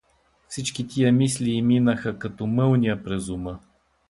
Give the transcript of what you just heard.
Всички тия мисли й минаха като мълния през ума.